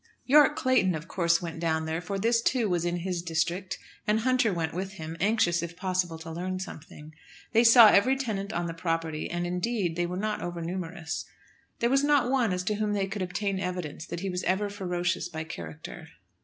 Yorke Clayton of course went down there, for this, too, was in his district, and Hunter went with him, anxious, if possible, to learn something. They saw every tenant on the property; and, indeed, they were not over numerous. There was not one as to whom they could obtain evidence that he was ever ferocious by character.